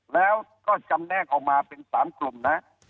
แล้วก็จำแนกออกมาเป็น๓กลุ่มนะ